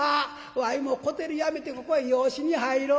わいもう小照やめてここへ養子に入ろう」。